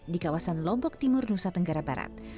di kawasan lombok timur nusa tenggara barat